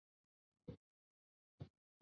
多数过氯酸盐可溶于水。